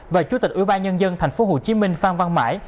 và chủ tịch ủy ban nhân dân tp hcm phan văn mãi